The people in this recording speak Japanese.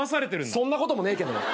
そんなこともねえけど。